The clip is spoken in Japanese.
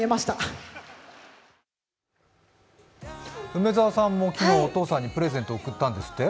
梅澤さんも昨日、お父さんにプレゼント贈ったんですって？